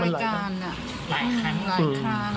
ออกรายการ